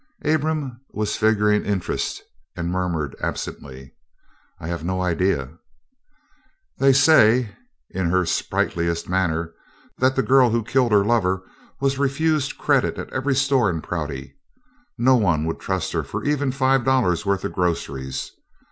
Abram was figuring interest and murmured absently: "I have no idea." "They say," in her sprightliest manner, "that that girl who killed her lover was refused credit at every store in Prouty. No one would trust her for even five dollars' worth of groceries.